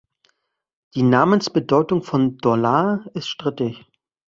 Die Namensbedeutung von Dorlar ist strittig.